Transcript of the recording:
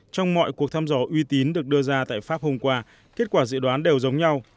trong mọi cuộc thăm dò uy tín được đưa ra tại pháp hôm qua kết quả dự đoán đều giống nhau